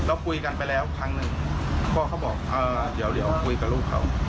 คุยกันไปแล้วครั้งหนึ่งพ่อเขาบอกเดี๋ยวคุยกับลูกเขา